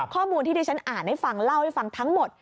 ข้อมูลที่ที่ฉันอ่านให้ฟังเล่าให้ฟังทั้งหมด